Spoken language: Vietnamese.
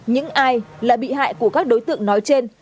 những ai là bị hại của các đối tượng nói trên